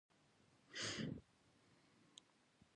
بې وسه بزګران او کارګران به د سفرونو په تيارو بوخت شول.